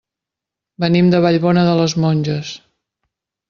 Venim de Vallbona de les Monges.